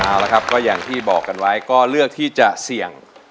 เอาละครับก็อย่างที่บอกกันไว้ก็เลือกที่จะเสี่ยง